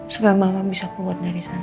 supaya mama bisa keluar dari sana